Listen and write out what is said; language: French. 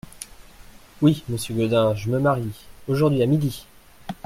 Oui, monsieur Gaudin, je me marie… aujourd’hui, à midi !